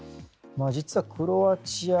実はクロアチア